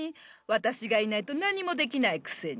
私がいないと何もできないくせに。